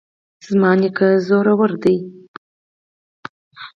زما نیکه زوړ دی